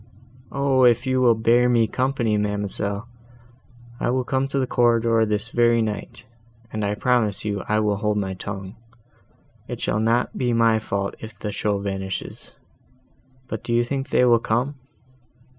"O! if you will bear me company, ma'amselle, I will come to the corridor, this very night, and I promise you I will hold my tongue; it shall not be my fault if the show vanishes.—But do you think they will come?"